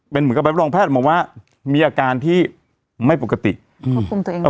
เป็นเหมือนกับรับรองแพทย์มาว่ามีอาการที่ไม่ปกติควบคุมตัวเองได้